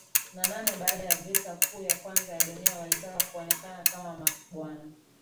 na nane baada ya Vita Kuu ya Kwanza ya Dunia walitaka kuonekana kama mabwana